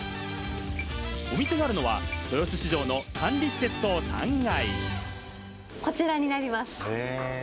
お店があるのは豊洲市場の管理施設棟３階。